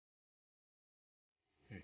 atau jangan jangan dia ketiduran di luar